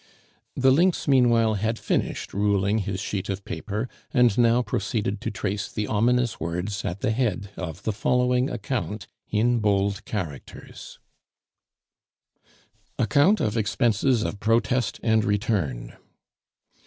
The lynx meanwhile had finished ruling his sheet of paper, and now proceeded to trace the ominous words at the head of the following account in bold characters: ACCOUNT OF EXPENSES OF PROTEST AND RETURN.